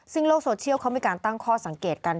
ซึ่งโลกโซเชียลเขามีการตั้งข้อสังเกตกัน